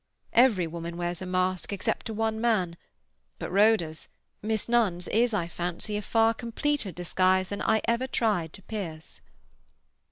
Every woman wears a mask, except to one man; but Rhoda's—Miss Nunn's—is, I fancy, a far completer disguise than I ever tried to pierce."